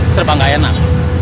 serba gak enak